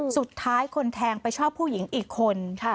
สุดท้ายคนแทงไปชอบผู้หญิงอีกคน